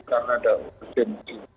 karena ada urjin